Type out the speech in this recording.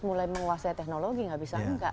mulai menguasai teknologi nggak bisa enggak